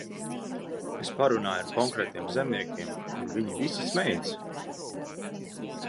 Es parunāju ar konkrētiem zemniekiem, un viņi smejas.